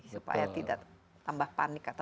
supaya tidak tambah panik atau